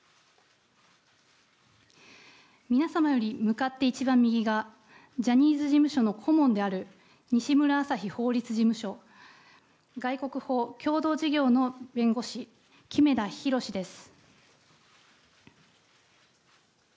皆様より向かって一番右がジャニーズ事務所の顧問である西村あさひ法律事務所外国法共同事業の弁護士木目田裕です。